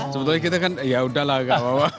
sebetulnya kita kan yaudahlah